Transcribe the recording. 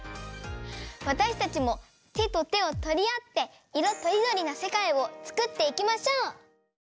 わたしたちもてとてをとりあっていろとりどりな世界をつくっていきましょう！